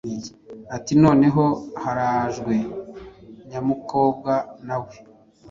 ati “ Noneho harajwe”… Nyamukobwa na we,